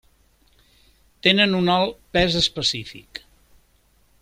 Tenen un alt pes específic.